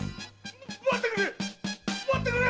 待ってくれ！